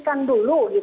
yang sudah terjadi